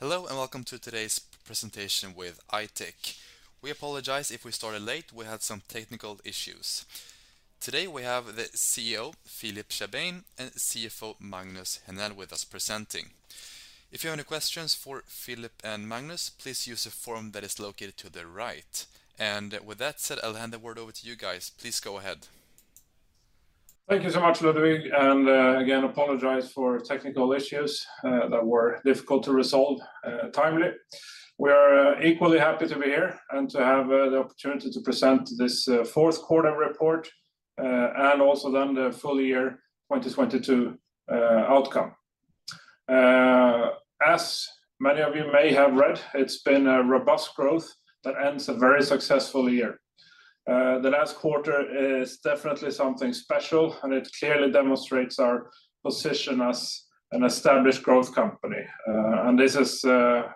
Hello, welcome to today's presentation with I-Tech. We apologize if we started late, we had some technical issues. Today, we have the CEO, Philip Chaabane, and CFO, Magnus Henell, with us presenting. If you have any questions for Philip and Magnus, please use the form that is located to the right. With that said, I'll hand the word over to you guys. Please go ahead. Thank you so much, Ludwig, and again, apologize for technical issues that were difficult to resolve timely. We are equally happy to be here and to have the opportunity to present this fourth quarter report, and also then the full year 2022 outcome. As many of you may have read, it's been a robust growth that ends a very successful year. The last quarter is definitely something special, and it clearly demonstrates our position as an established growth company. This is a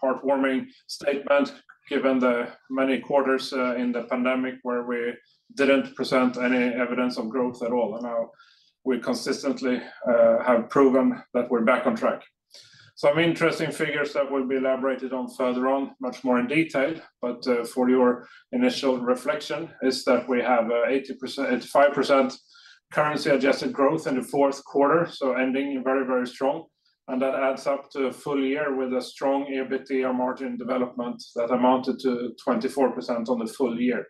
heartwarming statement given the many quarters in the pandemic where we didn't present any evidence of growth at all, and now we consistently have proven that we're back on track. Some interesting figures that will be elaborated on further on much more in detail, but for your initial reflection, is that we have 85% currency-adjusted growth in the fourth quarter, so ending very, very strong. That adds up to a full year with a strong EBITDA margin development that amounted to 24% on the full year.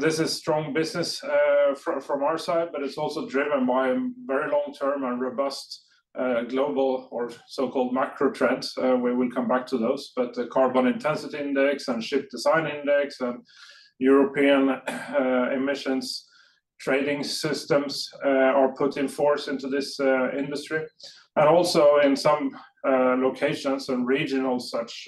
This is strong business from our side, but it's also driven by very long-term and robust global or so-called macro trends. We will come back to those. The Carbon Intensity Indicator and Ship Design Index and European Emissions Trading Systems are put in force into this industry. Also in some locations and regional such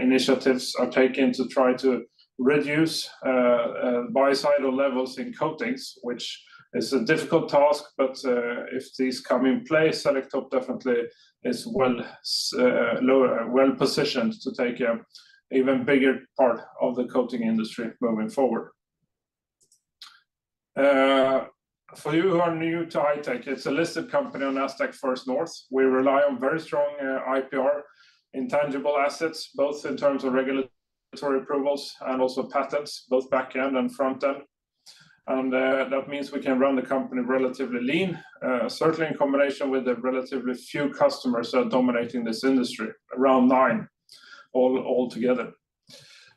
initiatives are taken to try to reduce biocidal levels in coatings, which is a difficult task, but if these come in place, Selektope definitely is well positioned to take an even bigger part of the coating industry moving forward. For you who are new to I-Tech, it's a listed company on Nasdaq First North. We rely on very strong IPR intangible assets, both in terms of regulatory approvals and also patents, both back-end and front-end. That means we can run the company relatively lean, certainly in combination with the relatively few customers that are dominating this industry, around nine all together.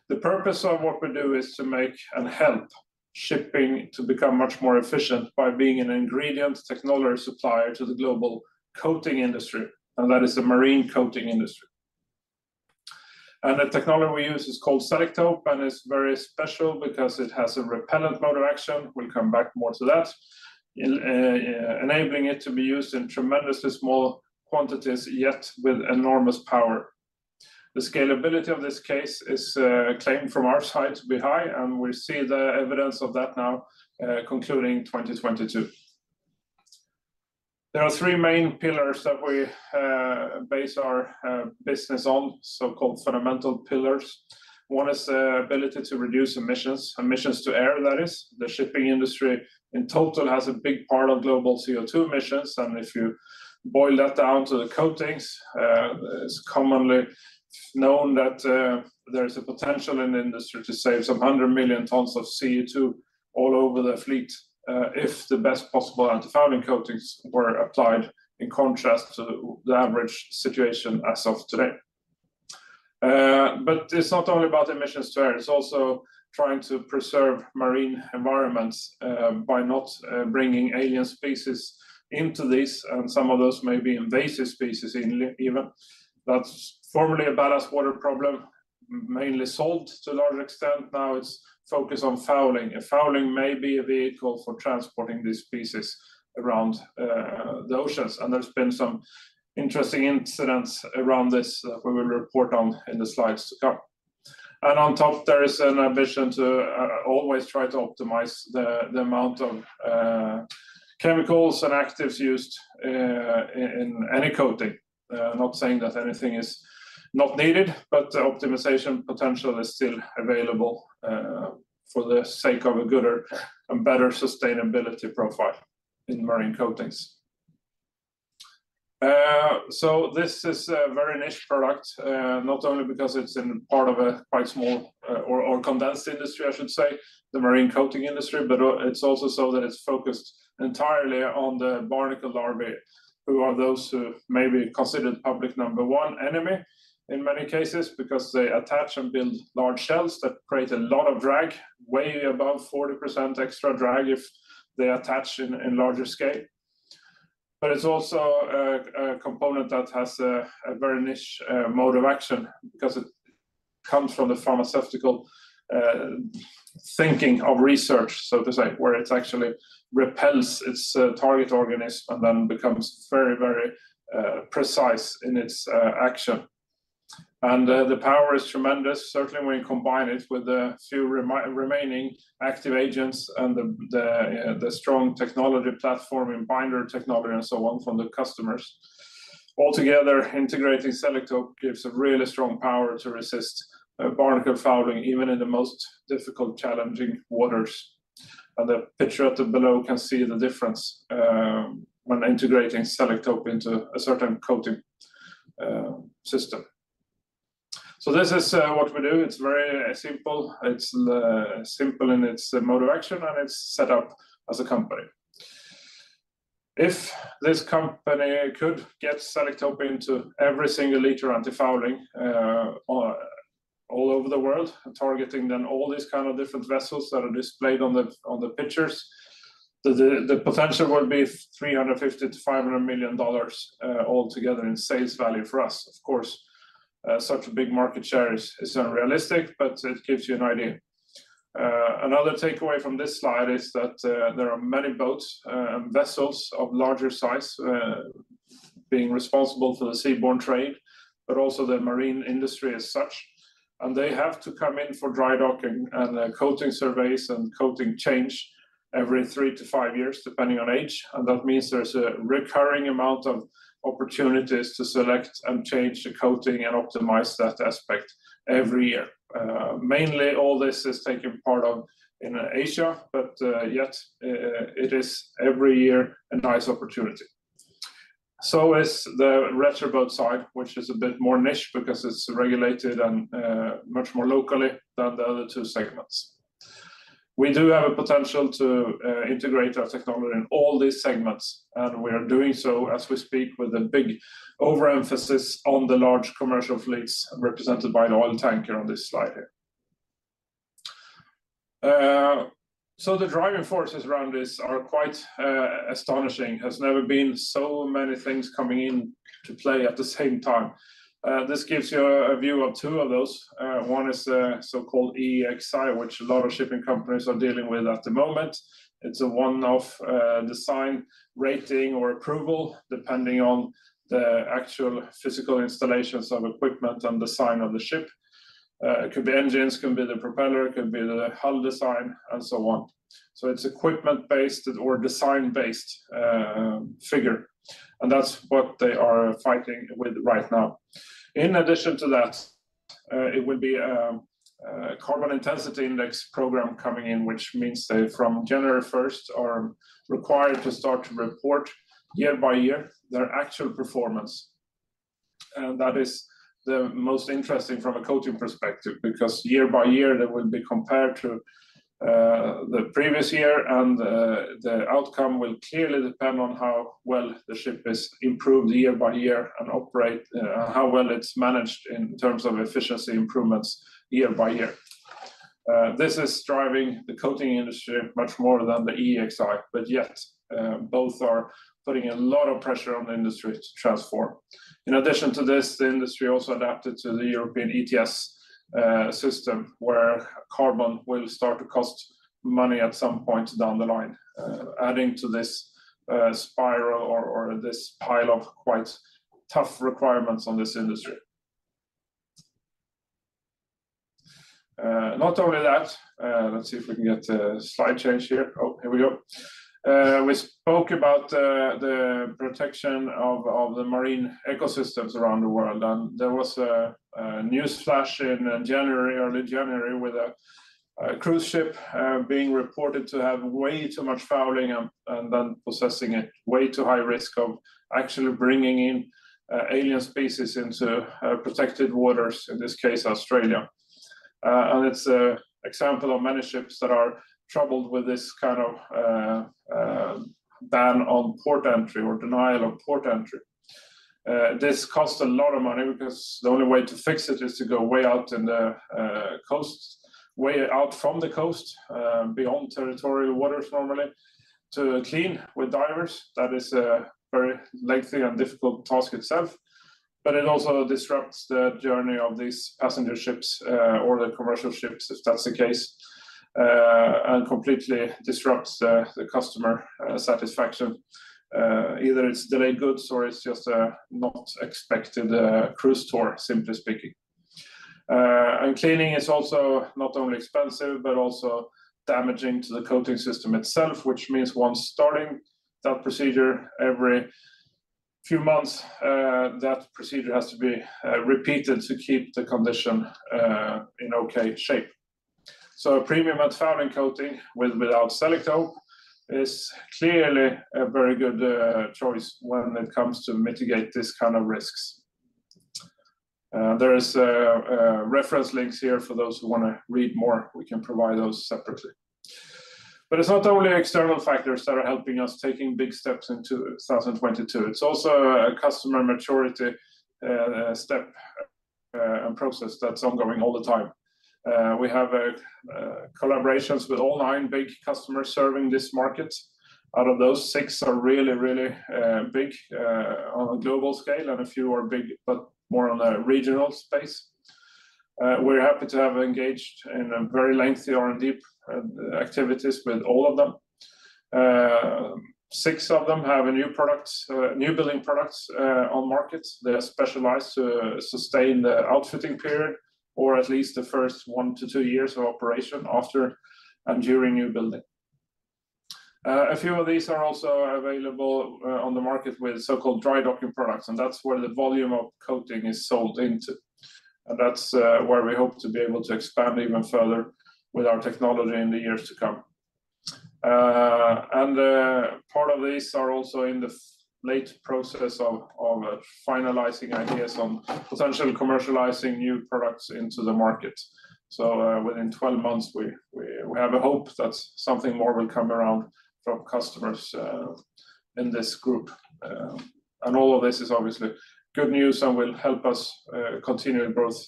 The purpose of what we do is to make and help shipping to become much more efficient by being an ingredient technology supplier to the global coating industry, and that is the marine coating industry. The technology we use is called Selektope, and it's very special because it has a repellent mode of action, we'll come back more to that, enabling it to be used in tremendously small quantities, yet with enormous power. The scalability of this case is claimed from our side to be high, and we see the evidence of that now concluding 2022. There are three main pillars that we base our business on, so-called fundamental pillars. One is the ability to reduce emissions to air, that is. The shipping industry in total has a big part of global CO2 emissions. If you boil that down to the coatings, it's commonly known that there is a potential in the industry to save some 100 million tons of CO2 all over the fleet if the best possible antifouling coatings were applied, in contrast to the average situation as of today. It's not only about emissions to air, it's also trying to preserve marine environments by not bringing alien species into this, and some of those may be invasive species in even. That's formerly a ballast water problem, mainly solved to a large extent. Now it's focused on fouling. Fouling may be a vehicle for transporting these species around the oceans. There's been some interesting incidents around this we will report on in the slides to come. On top, there is an ambition to always try to optimize the amount of chemicals and actives used in any coating. Not saying that anything is not needed, but optimization potential is still available for the sake of a gooder and better sustainability profile in marine coatings. This is a very niche product, not only because it's in part of a quite small or condensed industry, I should say, the marine coating industry, but it's also so that it's focused entirely on the barnacle larvae, who are those who may be considered public number one enemy in many cases, because they attach and build large shells that create a lot of drag, way above 40% extra drag if they attach in larger scale. It's also a component that has a very niche mode of action because it comes from the pharmaceutical thinking of research, so to say, where it actually repels its target organism and then becomes very, very precise in its action. The power is tremendous, certainly when you combine it with the few remaining active agents and the strong technology platform and binder technology and so on from the customers. Altogether, integrating Selektope gives a really strong power to resist barnacle fouling, even in the most difficult, challenging waters. The picture at the below can see the difference when integrating Selektope into a certain coating system. This is what we do. It's very simple. It's simple in its mode of action, and it's set up as a company. If this company could get Selektope into every single liter antifouling, or all over the world, targeting then all these kind of different vessels that are displayed on the, on the pictures, the potential would be $350 million-$500 million, all together in sales value for us. Of course, such a big market share is unrealistic, but it gives you an idea. Another takeaway from this slide is that there are many boats, vessels of larger size, being responsible for the seaborne trade, but also the marine industry as such. They have to come in for dry docking and coating surveys and coating change every three to five years, depending on age. That means there's a recurring amount of opportunities to select and change the coating and optimize that aspect every year. Mainly all this is taking part of in Asia, but yet, it is every year a nice opportunity. Is the retroboat side, which is a bit more niche because it's regulated and much more locally than the other two segments. We do have a potential to integrate our technology in all these segments, and we are doing so as we speak with a big overemphasis on the large commercial fleets represented by the oil tanker on this slide here. The driving forces around this are quite astonishing. Has never been so many things coming in to play at the same time. This gives you a view of two of those. One is a so-called EEXI, which a lot of shipping companies are dealing with at the moment. It's a one-off design rating or approval, depending on the actual physical installations of equipment and design of the ship. It could be engines, could be the propeller, it could be the hull design, and so on. So it's equipment-based or design-based figure, and that's what they are fighting with right now. In addition to that, it would be a Carbon Intensity Indicator program coming in, which means they from January 1st are required to start to report year-by-year their actual performance. That is the most interesting from a coating perspective, because year-by year they will be compared to the previous year, and the outcome will clearly depend on how well the ship is improved year-by-year and operate, how well it's managed in terms of efficiency improvements year-by-year. This is driving the coating industry much more than the EEXI, but yet, both are putting a lot of pressure on the industry to transform. In addition to this, the industry also adapted to the European ETS system, where carbon will start to cost money at some point down the line, adding to this spiral or this pile of quite tough requirements on this industry. Not only that, let's see if we can get a slide change here. Oh, here we go. We spoke about the protection of the marine ecosystems around the world. There was a news flash in January, early January, with a cruise ship being reported to have way too much fouling and then possessing a way too high risk of actually bringing in alien species into protected waters, in this case, Australia. It's an example of many ships that are troubled with this kind of ban on port entry or denial of port entry. This costs a lot of money because the only way to fix it is to go way out in the coasts, way out from the coast, beyond territorial waters normally, to clean with divers. That is a very lengthy and difficult task itself. It also disrupts the journey of these passenger ships or the commercial ships, if that's the case, and completely disrupts the customer satisfaction. Either it's delayed goods or it's just a not expected cruise tour, simply speaking. Cleaning is also not only expensive, but also damaging to the coating system itself, which means once starting that procedure every few months, that procedure has to be repeated to keep the condition in okay shape. A premium antifouling coating with, without Selektope is clearly a very good choice when it comes to mitigate this kind of risks. There is reference links here for those who wanna read more. We can provide those separately. It's not only external factors that are helping us taking big steps into 2022. It's also a customer maturity step and process that's ongoing all the time. We have a collaborations with all nine big customers serving this market. Out of those, six are really, really big on a global scale. A few are big but more on a regional space. We're happy to have engaged in a very lengthy R&D activities with all of them. Six of them have a new products, newbuilding products, on markets that are specialized to sustain the outfitting period, or at least the first one year-two years of operation after and during newbuilding. A few of these are also available on the market with so-called dry docking products. That's where the volume of coating is sold into. That's where we hope to be able to expand even further with our technology in the years to come. Part of this are also in the late process of finalizing ideas on potential commercializing new products into the market. Within 12 months, we have a hope that something more will come around from customers in this group. All of this is obviously good news and will help us continue growth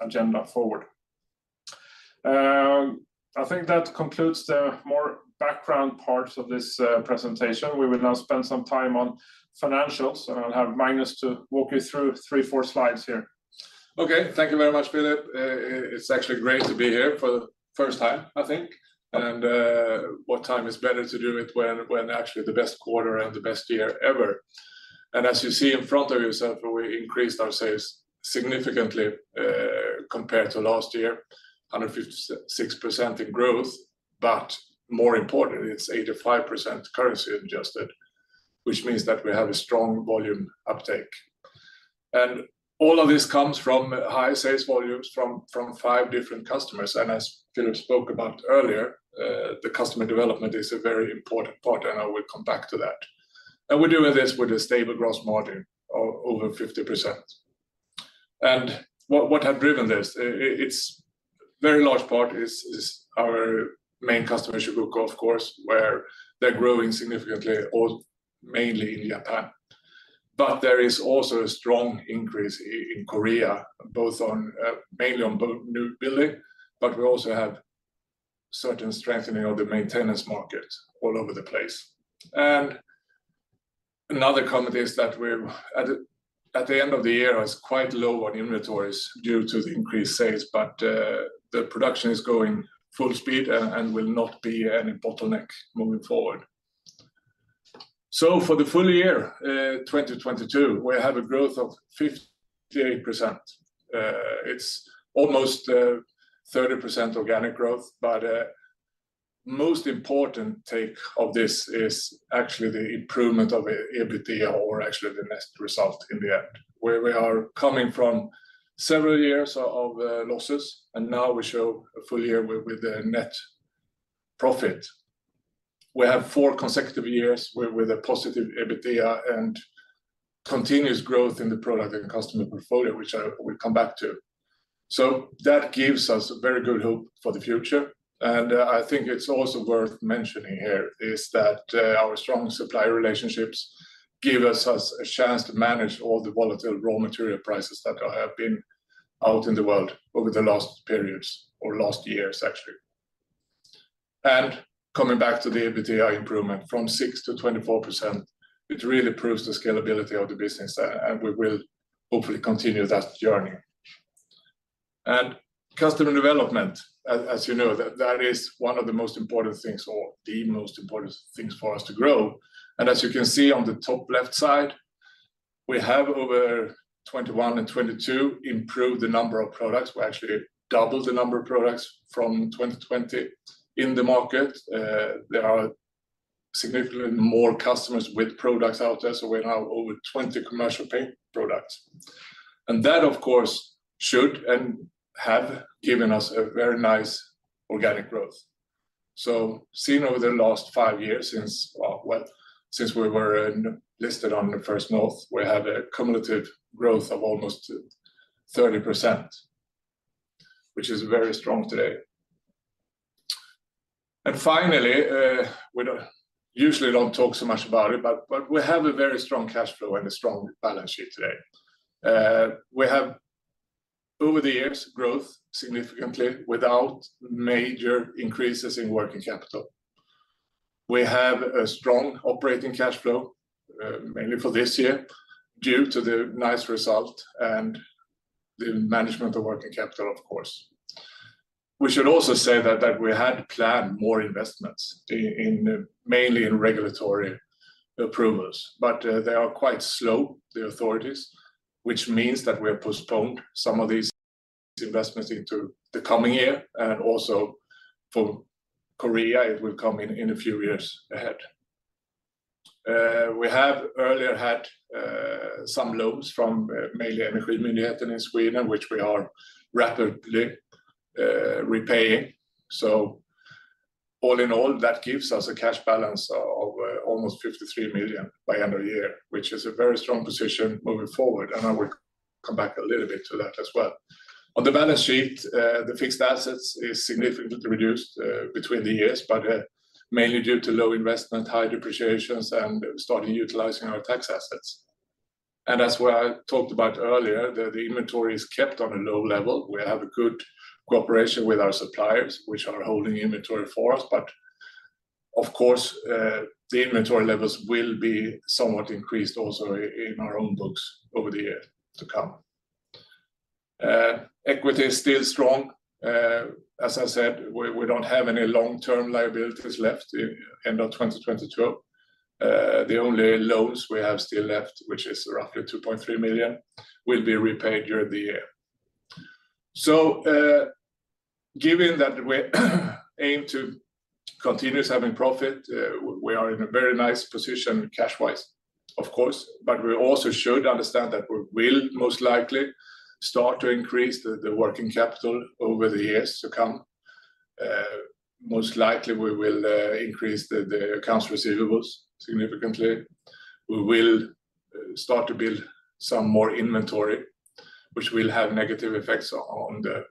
agenda forward. I think that concludes the more background parts of this presentation. We will now spend some time on financials, and I'll have Magnus to walk you through three, four slides here. Okay. Thank you very much, Philip. It's actually great to be here for the first time, I think. What time is better to do it when actually the best quarter and the best year ever. As you see in front of yourself, we increased our sales significantly, compared to last year, 156% in growth. More importantly, it's 85% currency adjusted, which means that we have a strong volume uptake. All of this comes from high sales volumes from five different customers. As Philip spoke about earlier, the customer development is a very important part, and I will come back to that. We're doing this with a stable gross margin over 50%. What have driven this? It's very large part is our main customer, Chugoku, of course, where they're growing significantly, or mainly in Japan. There is also a strong increase in Korea, both on, mainly on newbuilding, but we also have certain strengthening of the maintenance market all over the place. Another comment is that we're at the end of the year is quite low on inventories due to the increased sales, but the production is going full speed and will not be any bottleneck moving forward. For the full year, 2022, we have a growth of 58%. It's almost 30% organic growth, but most important take of this is actually the improvement of the EBITDA or actually the net result in the end, where we are coming from several years of losses, and now we show a full year with a net profit. We have four consecutive years with a positive EBITDA and continuous growth in the product and customer portfolio, which I will come back to. That gives us very good hope for the future. I think it's also worth mentioning here is that our strong supplier relationships give us a chance to manage all the volatile raw material prices that have been out in the world over the last periods or last years, actually. Coming back to the EBITDA improvement from 6% to 24%, it really proves the scalability of the business, and we will hopefully continue that journey. Customer development, as you know, that is one of the most important things or the most important things for us to grow. As you can see on the top left side, we have over 2021 and 2022 improved the number of products. We actually doubled the number of products from 2020 in the market. There are significantly more customers with products out there, so we have over 20 commercial paint products. That, of course, should and have given us a very nice organic growth. Seen over the last five years since, well, since we were listed on the First North, we have a cumulative growth of almost 30%, which is very strong today. Finally, we don't usually don't talk so much about it, but we have a very strong cash flow and a strong balance sheet today. We have over the years growth significantly without major increases in working capital. We have a strong operating cash flow, mainly for this year, due to the nice result and the management of working capital, of course. We should also say that we had planned more investments in, mainly in regulatory approvals, but they are quite slow, the authorities, which means that we have postponed some of these investments into the coming year and also for Korea, it will come in a few years ahead. We have earlier had some loans from mainly Energimyndigheten in Sweden, which we are rapidly repaying. All in all, that gives us a cash balance of almost 53 million by end of year, which is a very strong position moving forward. I will come back a little bit to that as well. On the balance sheet, the fixed assets is significantly reduced between the years, mainly due to low investment, high depreciations, and starting utilizing our tax assets. As what I talked about earlier, the inventory is kept on a low level. We have a good cooperation with our suppliers, which are holding inventory for us. Of course, the inventory levels will be somewhat increased also in our own books over the year to come. Equity is still strong. As I said, we don't have any long-term liabilities left end of 2022. The only loans we have still left, which is roughly 2.3 million, will be repaid during the year. Given that we aim to continuous having profit, we are in a very nice position cash-wise. Of course, but we also should understand that we will most likely start to increase the working capital over the years to come. Most likely we will increase the accounts receivables significantly. We will start to build some more inventory, which will have negative effects on the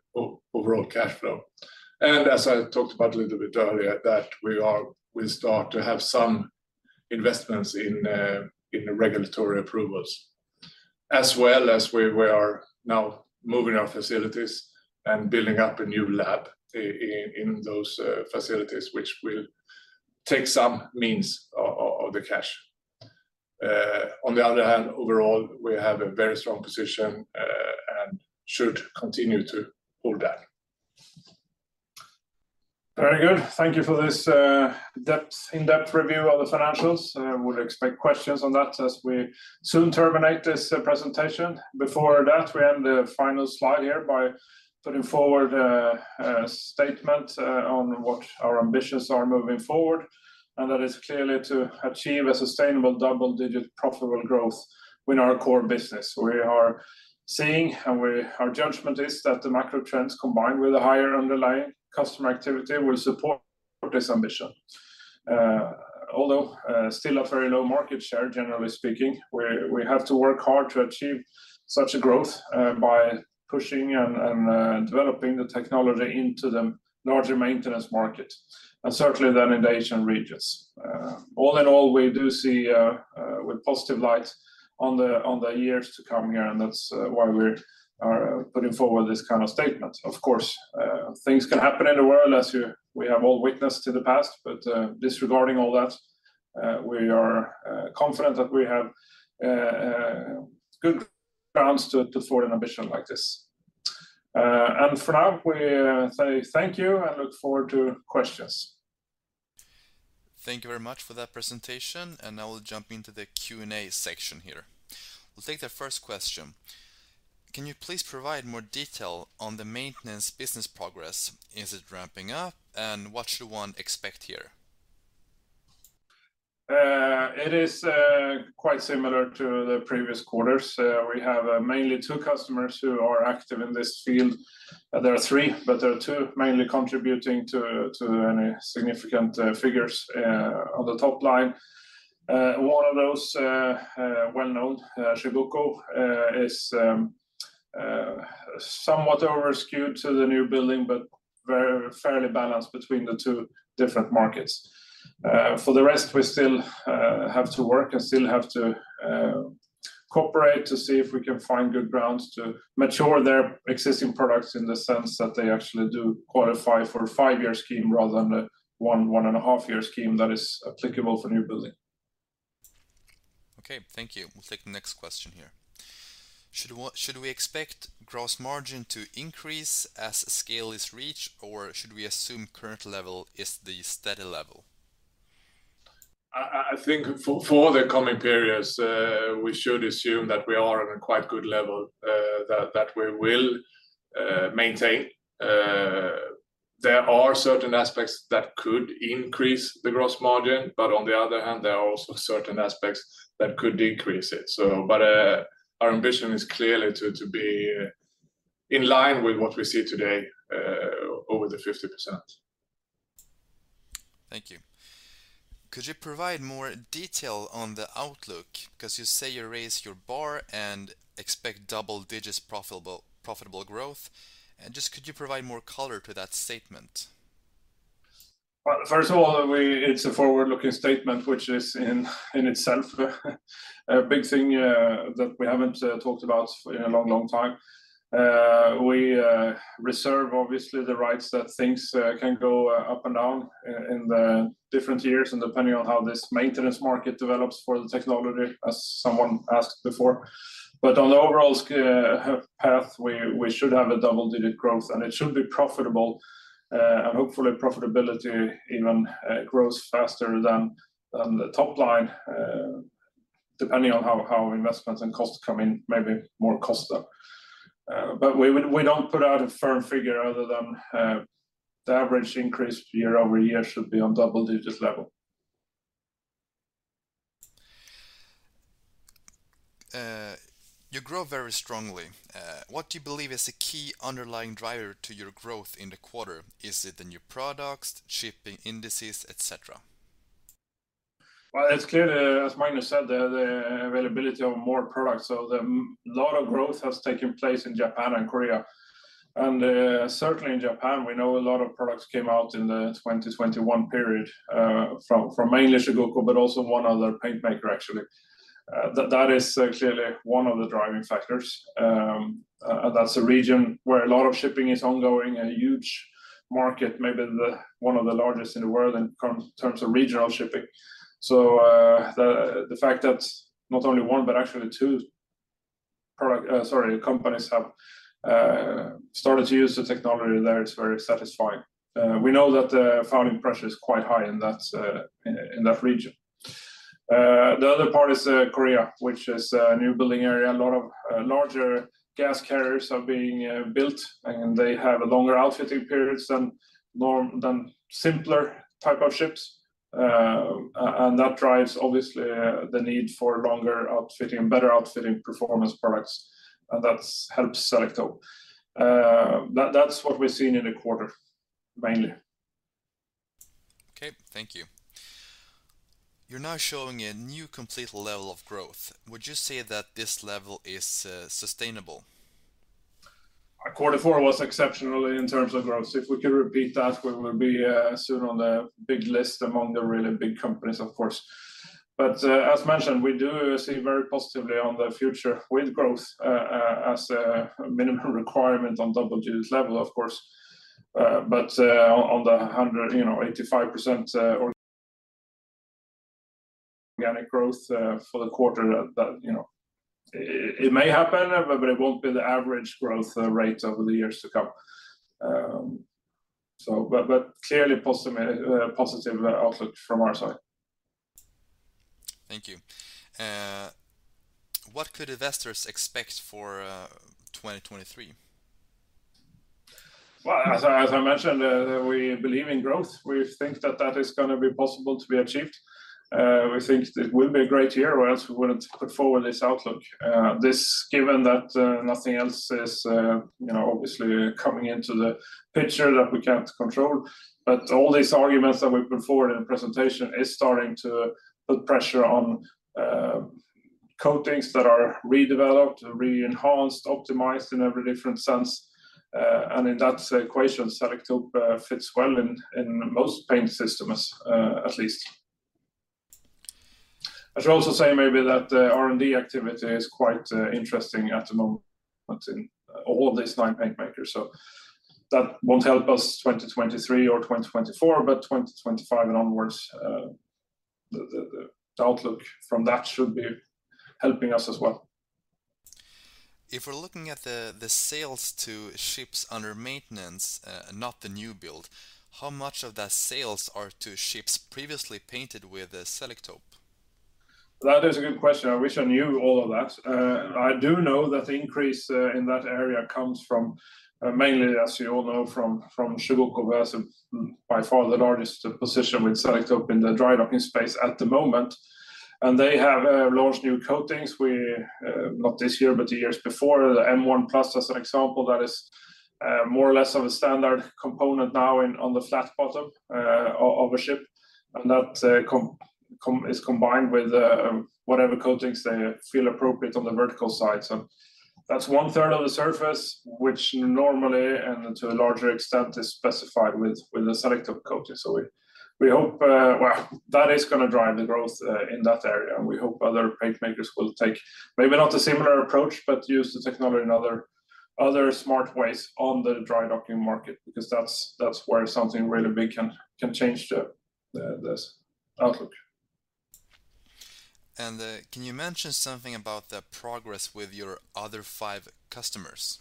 overall cash flow. As I talked about a little bit earlier that we'll start to have some investments in the regulatory approvals. As well as we are now moving our facilities and building up a new lab in those facilities which will take some means of the cash. On the other hand, overall, we have a very strong position, and should continue to hold that. Very good. Thank you for this in-depth review of the financials. I would expect questions on that as we soon terminate this presentation. Before that, we end the final slide here by putting forward a statement on what our ambitions are moving forward, and that is clearly to achieve a sustainable double-digit profitable growth in our core business. We are seeing and our judgment is that the macro trends combined with a higher underlying customer activity will support this ambition. Although, still a very low market share, generally speaking, we have to work hard to achieve such a growth by pushing and developing the technology into the larger maintenance market, and certainly then in Asian regions. All in all, we do see a positive light on the years to come here, and that's why we are putting forward this kind of statement. Of course, things can happen in the world as we have all witnessed in the past. Disregarding all that, we are confident that we have good grounds to forward an ambition like this. For now, we say thank you and look forward to questions. Thank you very much for that presentation. Now we'll jump into the Q&A section here. We'll take the first question. Can you please provide more detail on the maintenance business progress? Is it ramping up, and what should one expect here? It is quite similar to the previous quarters. We have mainly two customers who are active in this field. There are three, but there are two mainly contributing to any significant figures on the top line. One of those well-known Chugoku, is somewhat overskewed to the newbuilding, but very fairly balanced between the two different markets. For the rest, we still have to work and still have to cooperate to see if we can find good grounds to mature their existing products in the sense that they actually do qualify for a five-year scheme rather than a one-year, 1.5-year scheme that is applicable for newbuilding. Okay, thank you. We'll take the next question here. Should we expect gross margin to increase as scale is reached, or should we assume current level is the steady level? I think for the coming periods, we should assume that we are on a quite good level, that we will maintain. There are certain aspects that could increase the gross margin, but on the other hand, there are also certain aspects that could decrease it. Our ambition is clearly to be in line with what we see today, over the 50%. Thank you. Could you provide more detail on the outlook? You say you raise your bar and expect double digits profitable growth. Just could you provide more color to that statement? Well, first of all, it's a forward-looking statement, which is in itself a big thing that we haven't talked about in a long, long time. We reserve obviously the rights that things can go up and down in the different years and depending on how this maintenance market develops for the technology, as someone asked before. On the overall path, we should have a double-digit growth, and it should be profitable. Hopefully profitability even grows faster than the top line, depending on how investments and costs come in, maybe more costs though. We don't put out a firm figure other than the average increase year-over-year should be on double digits level. You grow very strongly. What do you believe is the key underlying driver to your growth in the quarter? Is it the new products, shipping indices, et cetera? Well, it's clear, as Magnus said, the availability of more products. A lot of growth has taken place in Japan and Korea. Certainly in Japan, we know a lot of products came out in the 2021 period from mainly Chugoku, but also one other paint maker, actually. That is clearly one of the driving factors. That's a region where a lot of shipping is ongoing and a huge market, maybe one of the largest in the world in terms of regional shipping. The fact that not only one, but actually two product, sorry, companies have started to use the technology there is very satisfying. We know that the founding pressure is quite high in that region. The other part is Korea, which is a newbuilding area. A lot of larger gas carriers are being built, and they have longer outfitting periods than norm- than simpler type of ships. That drives obviously the need for longer outfitting and better outfitting performance products, and that's helps Selektope. That's what we're seeing in the quarter mainly. Okay, thank you. You're now showing a new complete level of growth. Would you say that this level is sustainable? Quarter four was exceptional in terms of growth. If we could repeat that, we will be soon on the big list among the really big companies, of course. As mentioned, we do see very positively on the future with growth as a minimum requirement on double-digits level, of course. On the 100, you know, 85%, organic growth for the quarter that, you know, it may happen, but it won't be the average growth rate over the years to come. But clearly positive positive outlook from our side. Thank you. What could investors expect for 2023? Well, as I mentioned, we believe in growth. We think that is gonna be possible to be achieved. We think it will be a great year, or else we wouldn't put forward this outlook. This, given that, nothing else is, you know, obviously coming into the picture that we can't control. All these arguments that we put forward in presentation is starting to put pressure on coatings that are redeveloped, re-enhanced, optimized in every different sense. In that equation, Selektope fits well in most paint systems, at least. I should also say maybe that the R&D activity is quite interesting at the moment in all these nine paint makers, that won't help us 2023 or 2024, but 2025 and onwards, the outlook from that should be helping us as well. If we're looking at the sales to ships under maintenance, not the new build, how much of that sales are to ships previously painted with the Selektope? That is a good question. I wish I knew all of that. I do know that the increase in that area comes from mainly, as you all know, from Chugoku Marine Paints, by far the largest position with Selektope in the dry docking space at the moment. They have launched new coatings. We not this year, but the years before, the M1 Plus as an example that is more or less of a standard component now in, on the flat bottom of a ship. That is combined with whatever coatings they feel appropriate on the vertical side. So that's one-third of the surface, which normally and to a larger extent is specified with the Selektope coating. We hope, well, that is gonna drive the growth in that area, and we hope other paint makers will take maybe not a similar approach, but use the technology in other smart ways on the dry docking market, because that's where something really big can change the this outlook. Can you mention something about the progress with your other five customers?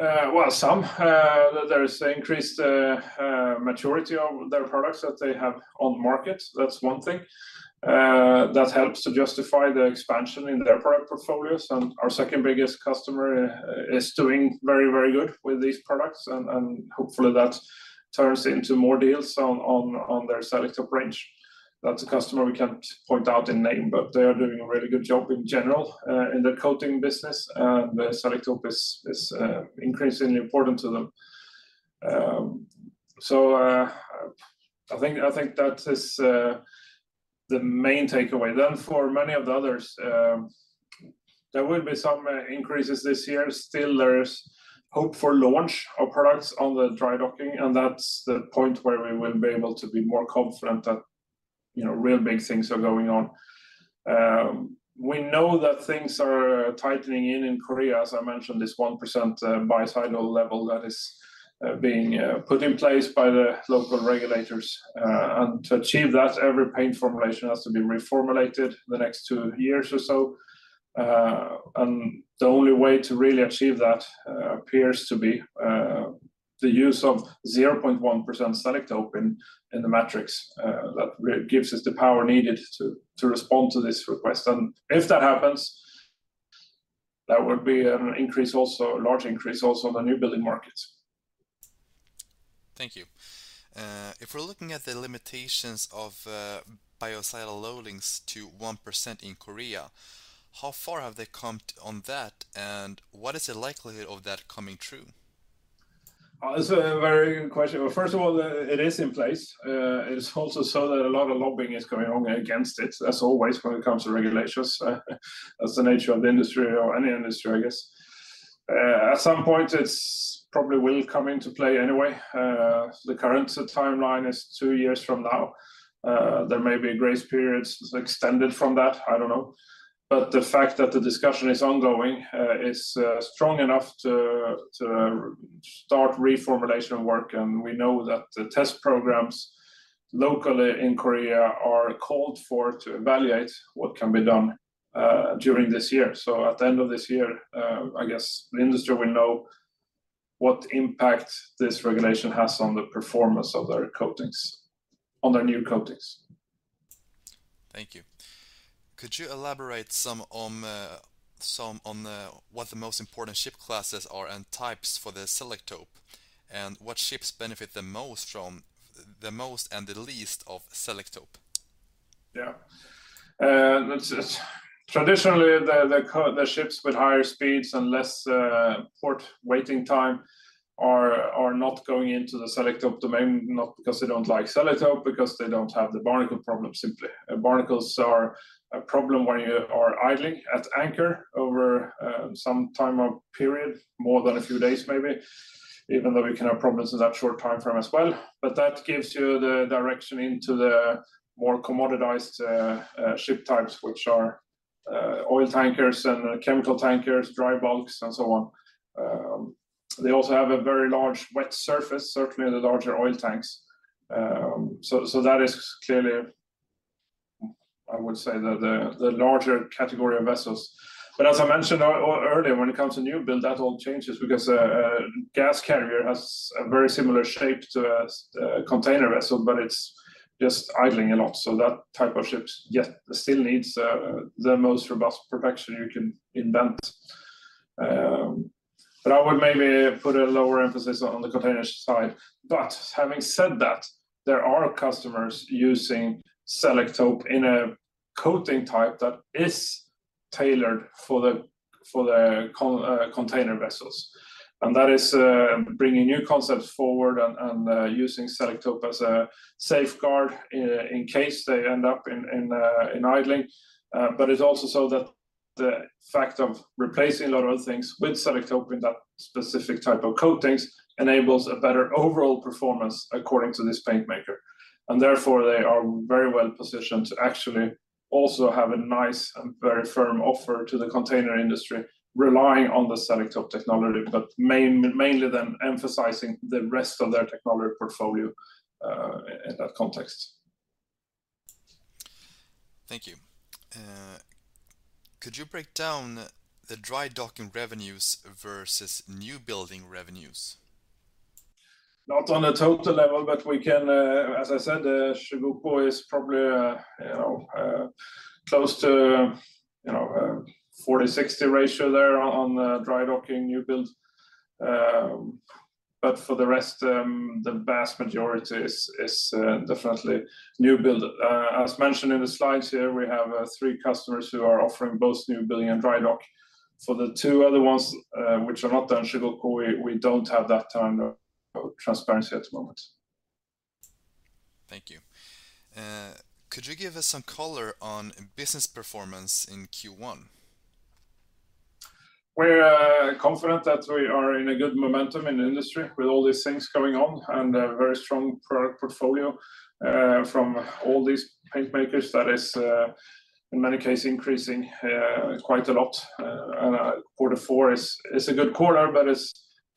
Well, some, there is increased maturity of their products that they have on market. That's one thing, that helps to justify the expansion in their product portfolios. Our second biggest customer is doing very, very good with these products and hopefully that turns into more deals on their Selektope range. That's a customer we can't point out in name, but they are doing a really good job in general, in the coating business, and the Selektope is increasingly important to them. I think that is the main takeaway. For many of the others, there will be some increases this year. Still, there's hope for launch of products on the dry docking. That's the point where we will be able to be more confident that, you know, real big things are going on. We know that things are tightening in in Korea, as I mentioned, this 1% biocide level that is being put in place by the local regulators. To achieve that, every paint formulation has to be reformulated the next two years or so. The only way to really achieve that appears to be the use of 0.1% Selektope in the matrix. That gives us the power needed to respond to this request. If that happens, that would be an increase also, a large increase also in the new building markets. Thank you. If we're looking at the limitations of biocide loadings to 1% in Korea, how far have they come on that, and what is the likelihood of that coming true? That's a very good question. Well, first of all, it is in place. It is also so that a lot of lobbying is going on against it, as always, when it comes to regulations, as the nature of the industry or any industry, I guess. At some point, it's probably will come into play anyway. The current timeline is two years from now. There may be a grace period extended from that, I don't know. The fact that the discussion is ongoing, is strong enough to start reformulation work. We know that the test programs locally in Korea are called for to evaluate what can be done during this year. At the end of this year, I guess the industry will know what impact this regulation has on the performance of their coatings, on their new coatings. Thank you. Could you elaborate some on the, what the most important ship classes are and types for the Selektope, and what ships benefit the most from and the least of Selektope? Yeah. That's, traditionally the ships with higher speeds and less port waiting time are not going into the Selektope domain, not because they don't like Selektope, because they don't have the barnacle problem simply. Barnacles are a problem when you are idling at anchor over some time or period, more than a few days maybe, even though we can have problems in that short timeframe as well. That gives you the direction into the more commoditized ship types, which are oil tankers and chemical tankers, dry bulks and so on. They also have a very large wet surface, certainly the larger oil tanks. That is clearly, I would say the larger category of vessels. As I mentioned earlier, when it comes to newbuilding, that all changes because a gas carrier has a very similar shape to a container vessel, but it's just idling a lot. That type of ships, yes, still needs the most robust protection you can invent. I would maybe put a lower emphasis on the container ship side. Having said that, there are customers using Selektope in a coating type that is tailored for the container vessels. That is bringing new concepts forward and using Selektope as a safeguard in case they end up in idling. It's also so that the fact of replacing a lot of things with Selektope in that specific type of coatings enables a better overall performance according to this paint maker. Therefore, they are very well positioned to actually also have a nice and very firm offer to the container industry relying on the Selektope technology, but mainly then emphasizing the rest of their technology portfolio, in that context. Thank you. could you break down the dry docking revenues versus newbuilding revenues? Not on a total level, we can, as I said, Chugoku is probably, you know, close to, you know, 40/60 ratio there on dry docking newbuilding. For the rest, the vast majority is definitely newbuilding. As mentioned in the slides here, we have three customers who are offering both newbuilding and dry dock. For the two other ones, which are not done, Chugoku, we don't have that kind of transparency at the moment. Thank you. Could you give us some color on business performance in Q1? We're confident that we are in a good momentum in the industry with all these things going on and a very strong product portfolio from all these paint makers that is in many cases, increasing quite a lot. Quarter four is a good quarter, but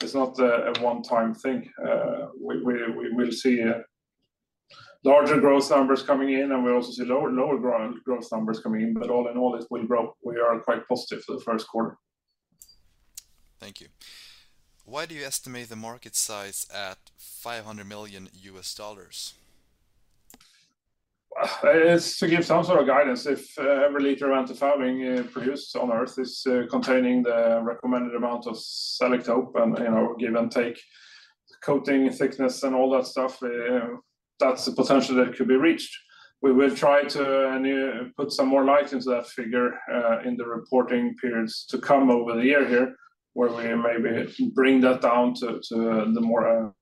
it's not a one-time thing. We will see larger growth numbers coming in, and we'll also see lower growth numbers coming in. All in all, it will grow. We are quite positive for the first quarter. Thank you. Why do you estimate the market size at $500 million? It's to give some sort of guidance. If every liter antifouling produced on Earth is containing the recommended amount of Selektope and, you know, give and take coating thickness and all that stuff, that's the potential that could be reached. We will try to put some more light into that figure in the reporting periods to come over the year here, where we maybe bring that down to the more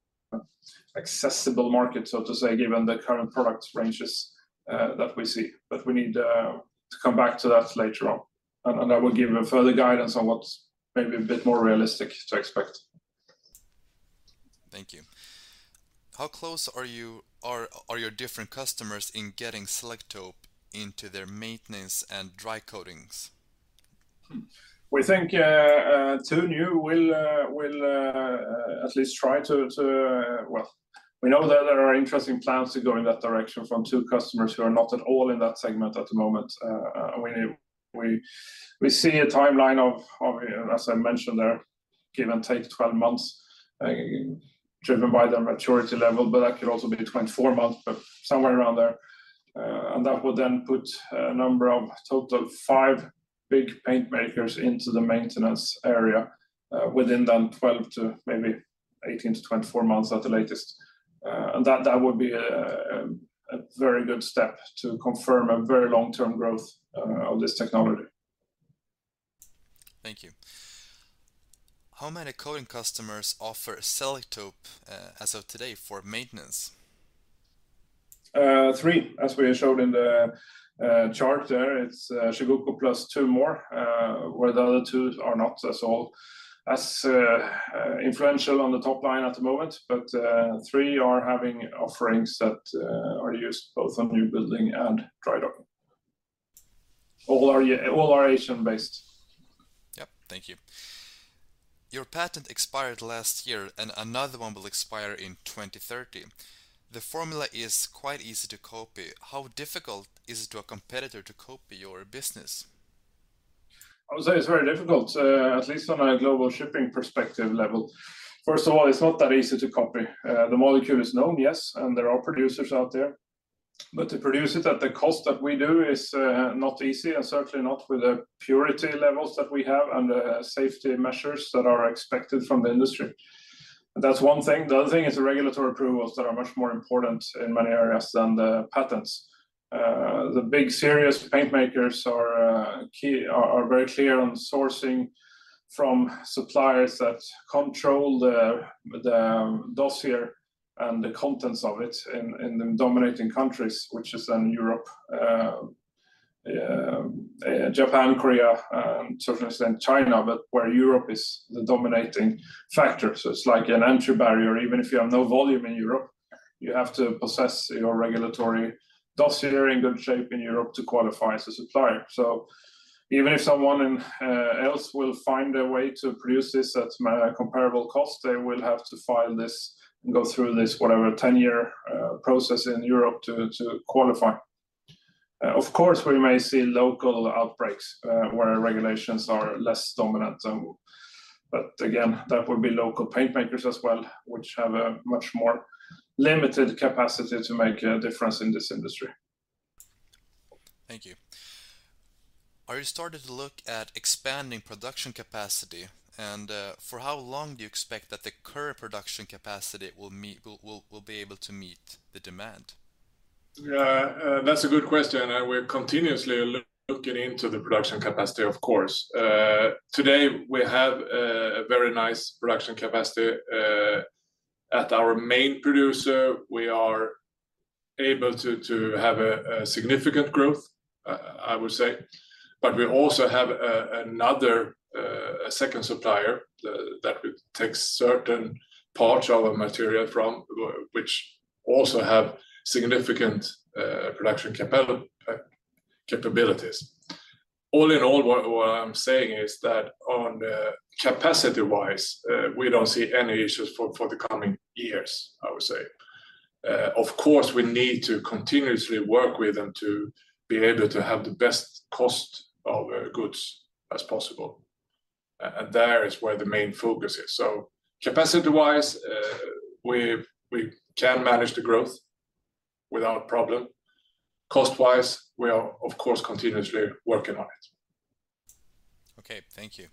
accessible market, so to say, given the current product ranges that we see. We need to come back to that later on. I will give a further guidance on what's maybe a bit more realistic to expect. Thank you. How close are your different customers in getting Selektope into their maintenance and dry coatings? We think two new will at least try to. Well, we know that there are interesting plans to go in that direction from two customers who are not at all in that segment at the moment. We see a timeline of, as I mentioned there, give and take 12 months, driven by their maturity level, but that could also be 24 months, but somewhere around there. That would then put a number of total five big paint makers into the maintenance area, within then 12 months to maybe 18 months-24 months at the latest. That would be a very good step to confirm a very long-term growth of this technology. Thank you. How many coating customers offer Selektope as of today for maintenance? Three, as we showed in the chart there. It's Chugoku plus two more, where the other two are not as all, as influential on the top line at the moment. Three are having offerings that are used both on new building and dry dock. All are Asian-based. Yep. Thank you. Your patent expired last year, and another one will expire in 2030. The formula is quite easy to copy. How difficult is it to a competitor to copy your business? I would say it's very difficult, at least on a global shipping perspective level. First of all, it's not that easy to copy. The molecule is known, yes, and there are producers out there, but to produce it at the cost that we do is not easy and certainly not with the purity levels that we have and the safety measures that are expected from the industry. That's one thing. The other thing is the regulatory approvals that are much more important in many areas than the patents. The big serious paint makers are very clear on sourcing from suppliers that control the dossier and the contents of it in the dominating countries, which is in Europe, Japan, Korea, to an extent China, but where Europe is the dominating factor. It's like an entry barrier. Even if you have no volume in Europe, you have to possess your regulatory dossier in good shape in Europe to qualify as a supplier. Even if someone in else will find a way to produce this at a comparable cost, they will have to file this and go through this, whatever, 10-year process in Europe to qualify. Of course, we may see local outbreaks where regulations are less dominant, but again, that would be local paint makers as well, which have a much more limited capacity to make a difference in this industry. Thank you. Are you starting to look at expanding production capacity? For how long do you expect that the current production capacity will be able to meet the demand? That's a good question, we're continuously looking into the production capacity, of course. Today, we have a very nice production capacity at our main producer. We are able to have a significant growth, I would say. We also have another a second supplier that we take certain parts of our material from, which also have significant production capabilities. All in all, what I'm saying is that on capacity-wise, we don't see any issues for the coming years, I would say. Of course, we need to continuously work with them to be able to have the best cost of goods as possible, there is where the main focus is. Capacity-wise, we can manage the growth without problem. Cost-wise, we are, of course, continuously working on it. Thank you.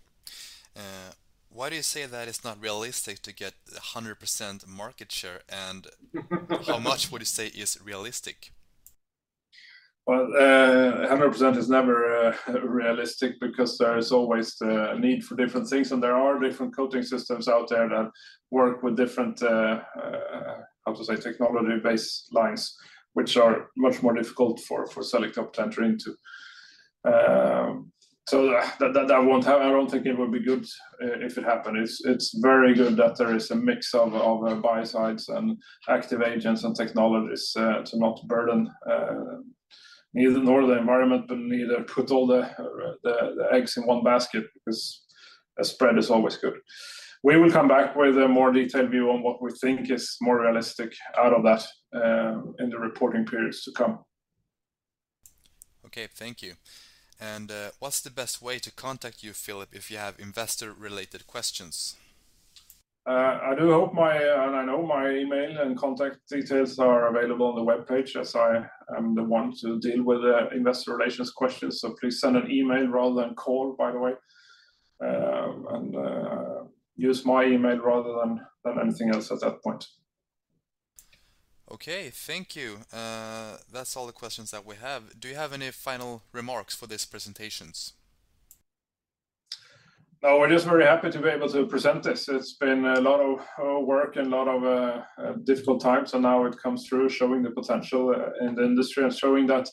Why do you say that it's not realistic to get 100% market share, how much would you say is realistic? Well, 100% is never realistic because there is always the need for different things, and there are different coating systems out there that work with different how to say, technology baselines, which are much more difficult for Selektope to enter into. I don't think it would be good if it happened. It's very good that there is a mix of biocides and active agents and technologies to not burden neither nor the environment but neither put all the eggs in one basket because a spread is always good. We will come back with a more detailed view on what we think is more realistic out of that in the reporting periods to come. Okay, thank you. What's the best way to contact you, Philip, if you have investor-related questions? I know my email and contact details are available on the webpage as I am the one to deal with the investor relations questions. Please send an email rather than call, by the way. Use my email rather than anything else at that point. Okay, thank you. That's all the questions that we have. Do you have any final remarks for this presentations? No, we're just very happy to be able to present this. It's been a lot of work and a lot of difficult times, and now it comes through showing the potential in the industry and showing that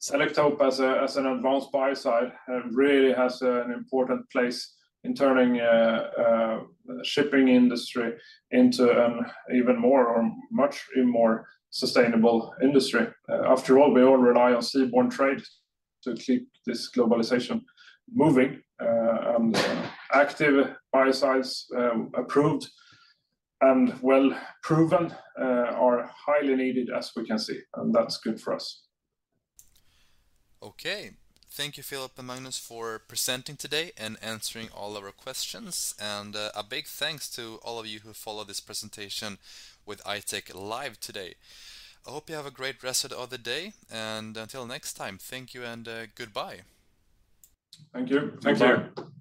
Selektope as an advanced biocide really has an important place in turning the shipping industry into an even more or much even more sustainable industry. After all, we all rely on seaborne trade to keep this globalization moving. Active biocides, approved and well proven, are highly needed as we can see, and that's good for us. Okay. Thank you, Philip and Magnus, for presenting today and answering all of our questions. A big thanks to all of you who followed this presentation with I-Tech Live today. I hope you have a great rest of the day, and until next time, thank you and goodbye. Thank you. Goodbye. Thank you.